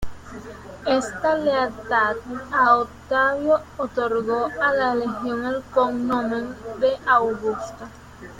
Esta lealtad a Octavio otorgó a la legión el cognomen de "Augusta".